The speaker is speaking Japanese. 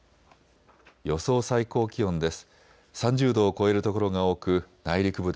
予想最高気温です。